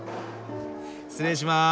失礼します。